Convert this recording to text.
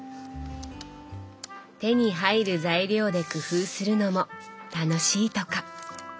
手に入る材料で工夫するのも楽しいとか。